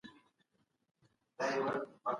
د کلیوالو خلکو له درنو دودونو څخه زده کړه وکړئ.